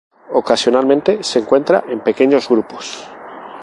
Ocasionalmente se encuentra en pequeños grupos.